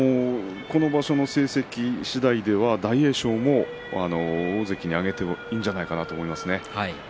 この場所の成績次第では大栄翔も大関に上げてもいいんじゃないかなと思いますね。